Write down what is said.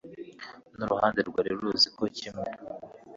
n uruhande rwari ruzi ko kimwe